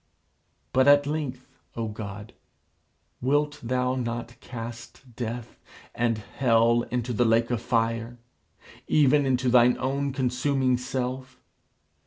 But at length, O God, wilt thou not cast Death and Hell into the lake of Fire even into thine own consuming self?